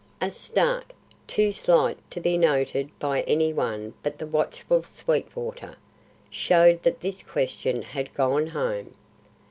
A start, too slight to be noted by any one but the watchful Sweetwater, showed that this question had gone home.